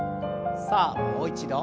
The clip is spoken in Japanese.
さあもう一度。